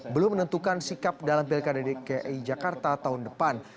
belum menentukan sikap dalam pilkada dki jakarta tahun depan